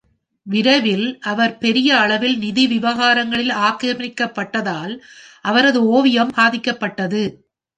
விரைவில், அவர் பெரிய அளவில் நிதி விவகாரங்களில் ஆக்கிரமிக்கப்பட்டதால், அவரது ஓவியம் பாதிக்கப்பட்டது.